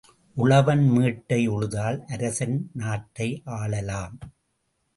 உழவன் மேட்டை உழுதால் அரசன் நாட்டை ஆளலாம்.